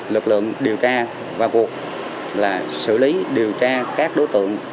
lực lượng điều tra và cuộc xử lý điều tra các đối tượng